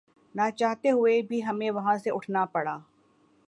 ناچاہتے ہوئے بھی ہمیں وہاں سے اٹھنا پڑا